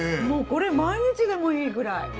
もうこれ毎日でもいいくらい。